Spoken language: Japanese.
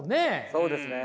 そうですね。